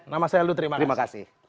nama saya lu terima kasih